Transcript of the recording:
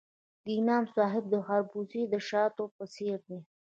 د امام صاحب خربوزې د شاتو په څیر دي.